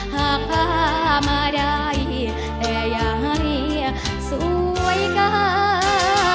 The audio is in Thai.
หากพามาได้แต่อย่าให้สวยกล้า